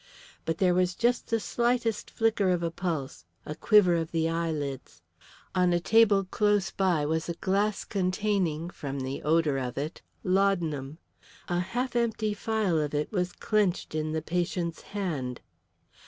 But there was just the slightest flicker of a pulse, a quiver of the eyelids. On a table close by was a glass containing, from the odour of it, laudanum. A half empty phial of it was clenched in the patient's hand.